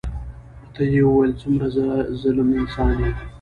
ورته يې وويل څومره ظلم انسان يې.